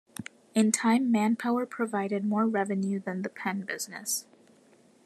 In time Manpower provided more revenue than the pen business.